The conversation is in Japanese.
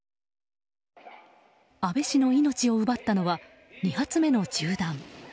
安倍氏の命を奪ったのは２発目の銃弾。